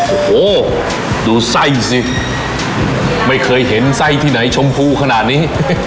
โอ้โหดูไส้สิไม่เคยเห็นไส้ที่ไหนชมพูขนาดนี้